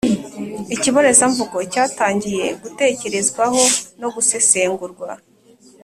Ikibonezamvugo cyatangiye gutekerezwaho no gusesengurwa